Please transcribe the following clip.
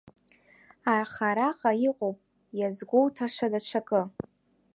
Аха араҟа иҟоуп иазгәоуҭаша даҽакы.